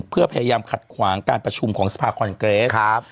เพื่อพยายามขัดขวางการประชุมของสภาคอนเกรส